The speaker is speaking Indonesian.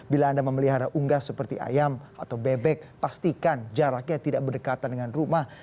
bila anda memelihara unggas seperti ayam atau bebek pastikan jaraknya tidak berdekatan dengan rumah